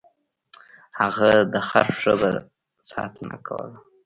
هغه د خر ښه ساتنه کوله.